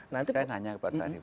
nanti saya nanya ke pak sarif